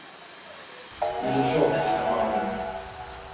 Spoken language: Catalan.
És això el que està malament.